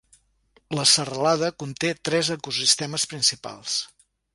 La serralada conté tres ecosistemes principals.